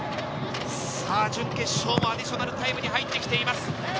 準決勝もアディショナルタイムに入ってきています。